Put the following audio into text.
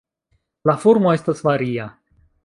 La formo estas varia.